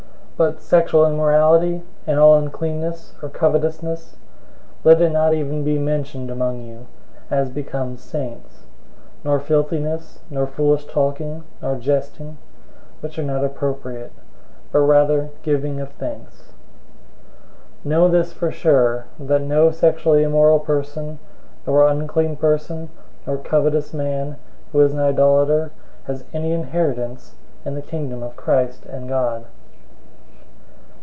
005:003 But sexual immorality, and all uncleanness, or covetousness, let it not even be mentioned among you, as becomes saints; 005:004 nor filthiness, nor foolish talking, nor jesting, which are not appropriate; but rather giving of thanks. 005:005 Know this for sure, that no sexually immoral person, nor unclean person, nor covetous man, who is an idolater, has any inheritance in the Kingdom of Christ and God.